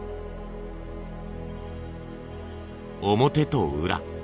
表と裏。